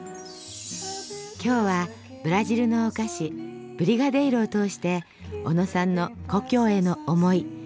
今日はブラジルのお菓子ブリガデイロを通して小野さんの故郷への思い